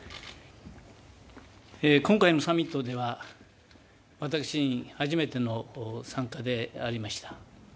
今回のサミットでは私自身初めての参加でありました。